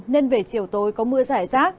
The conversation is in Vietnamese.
nên về chiều tối có mưa giải rác